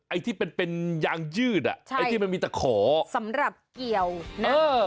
ไอ้ที่เป็นเป็นยางยืดอ่ะใช่ไอ้ที่มันมีแต่ขอสำหรับเกี่ยวนะเออ